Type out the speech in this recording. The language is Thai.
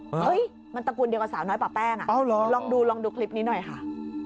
เฮ้ยมันตระกูลเดียวกับสาวน้อยป่าแป้งอ่ะลองดูลองดูคลิปนี้หน่อยค่ะ